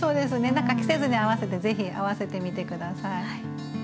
何か季節に合わせてぜひ合わせてみて下さい。